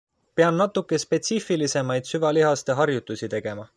Pean natuke spetsiifilisemaid süvalihaste harjutusi tegema.